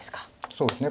そうですね。